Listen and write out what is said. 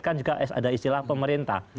kan juga ada istilah pemerintah